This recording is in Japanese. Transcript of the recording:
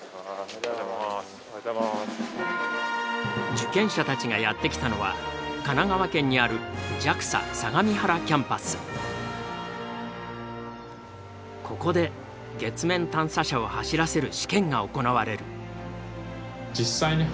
受験者たちがやって来たのは神奈川県にあるここで月面探査車を走らせる試験が行われる。